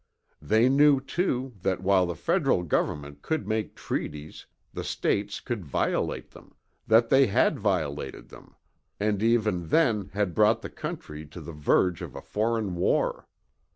They knew too that while the general government could make treaties, the States could violate them that they had violated them, and even then had brought the country to the verge of a foreign war.